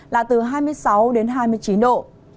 là từ hai mươi sáu đến hai mươi chín độ